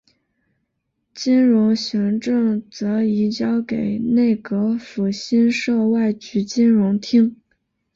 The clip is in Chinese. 金融行政则移交给内阁府新设外局金融厅。